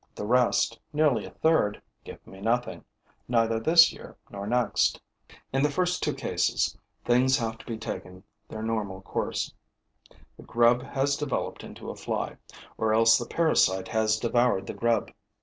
The rest, nearly a third, give me nothing, neither this year nor next. In the first two cases, things have taken their normal course: the grub has developed into a fly, or else the parasite has devoured the grub.